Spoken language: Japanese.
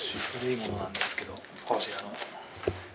こちらの。